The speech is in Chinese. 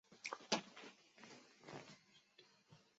加拿大一直是亚裔拉丁美洲移民的热门目的地。